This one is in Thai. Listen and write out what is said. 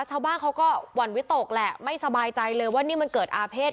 ชาวบ้านเขาก็หวั่นวิตกแหละไม่สบายใจเลยว่านี่มันเกิดอาเภษ